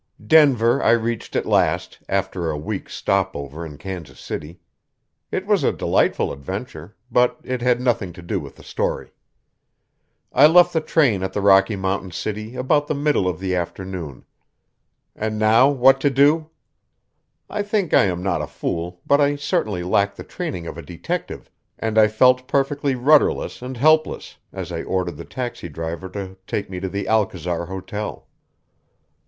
Denver I reached at last, after a week's stop over in Kansas City. It was a delightful adventure but it had nothing to do with the story. I left the train at the Rocky Mountain city about the middle of the afternoon. And now, what to do? I think I am not a fool, but I certainly lack the training of a detective, and I felt perfectly rudderless and helpless as I ordered the taxi driver to take me to the Alcazar Hotel.